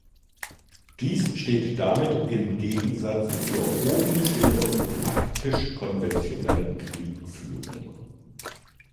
Dies steht damit im Gegensatz zur oben geschilderten taktisch konventionellen Kriegführung.